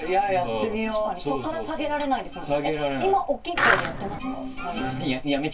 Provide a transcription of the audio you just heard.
確かにそこから下げられないですもんね。